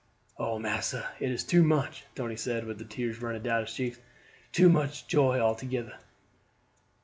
"Oh, massa, it is too much," Tony said, with the tears running down his cheeks; "too much joy altogeder."